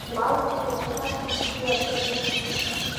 Уалсла иахьа хынтәгьы ақыҭа…